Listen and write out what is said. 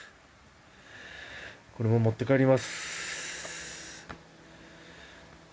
これも持って帰ります。